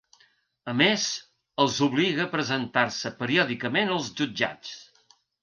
A més els obliga a presentar-se periòdicament als jutjats.